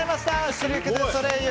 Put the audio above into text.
シルク・ドゥ・ソレイユ